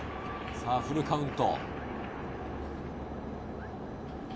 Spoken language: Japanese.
フルカウント。